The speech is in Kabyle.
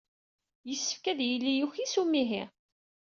Yessefk ad yili yuki s umihi.